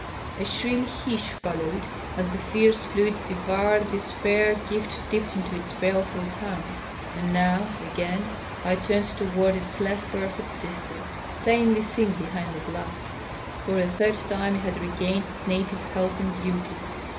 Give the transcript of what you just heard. .. A shrill hiss followed, ad the fierce fluid devoured this fair gift dipped into its baleful tank. .. And now, again, I turned toward its less perfect sister, plainly seen behind the glass. For a third time it had r^ained its native health and beauty.